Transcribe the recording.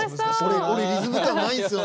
俺リズム感ないんすよね。